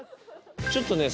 ちょっとね